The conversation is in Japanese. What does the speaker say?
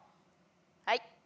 はい。